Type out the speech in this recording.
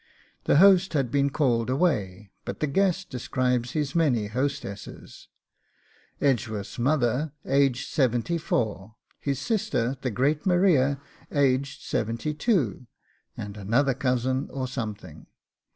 The host had been called away, but the guest describes his many hostesses: 'Edgeworth's mother, aged seventy four; his sister, the great Maria, aged seventy two; and another cousin or something.